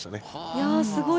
いやすごい。